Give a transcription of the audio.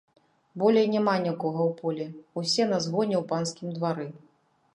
Болей няма нікога ў полі, усе на згоне ў панскім двары.